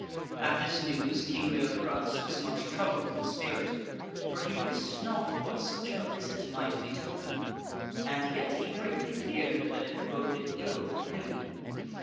At this news King Leode grance was much troubled in spirit, for he wist not what such a visit might betoken ; and yet he greatly feared that it boded < comet* ill for him.